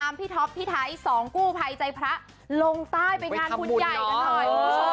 ตามพี่ท็อปพี่ไทส์๒กู้ภัยใจพระลงใต้ไปงานบุญใหญ่